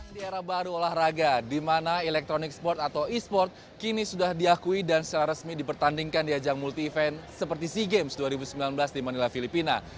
di era baru olahraga di mana electronic sport atau e sport kini sudah diakui dan secara resmi dipertandingkan di ajang multi event seperti sea games dua ribu sembilan belas di manila filipina